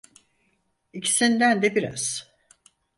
İkisinden de biraz.